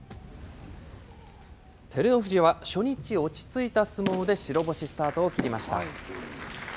照ノ富士は初日、落ち着いた相撲で白星スタートを切りました。